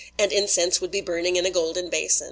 And incense would be burning in a golden basin.